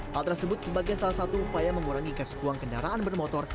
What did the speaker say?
hal tersebut sebagai salah satu upaya mengurangi gas buang kendaraan bermotor